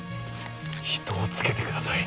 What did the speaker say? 人をつけて下さい。